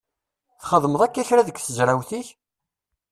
Txeddmeḍ akka kra deg tezrawt-ik?